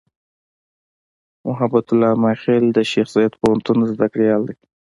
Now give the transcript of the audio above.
محبت الله "میاخېل" د شیخزاید پوهنتون زدهکړیال دی.